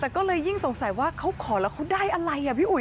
แต่ก็เลยยิ่งสงสัยว่าเขาขอแล้วเขาได้อะไรอ่ะพี่อุ๋